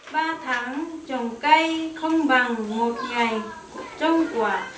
ba tháng trồng cây không bằng một ngày trong quả